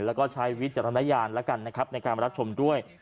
แล้วก็ใช้วิจารณญาณแล้วกันนะครับในการรับชมด้วย